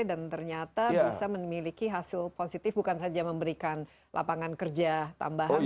ternyata bisa memiliki hasil positif bukan saja memberikan lapangan kerja tambahan